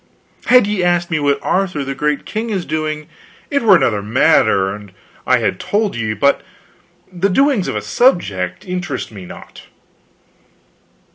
Had ye asked me what Arthur the great king is doing, it were another matter, and I had told ye; but the doings of a subject interest me not."